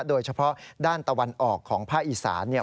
โดยเฉพาะด้านตะวันออกของภาคอีสาน